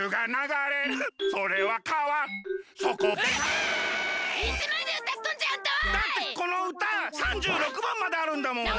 だってこのうた３６番まであるんだもん。